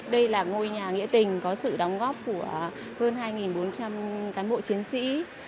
đây là ngôi nhà nghĩa tình có sự đóng góp của hơn hai bốn trăm linh cán bộ chiến sĩ